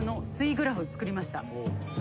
グラフを作りました。